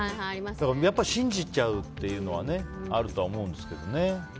やっぱり信じちゃうというのはあるとは思うんですけどね。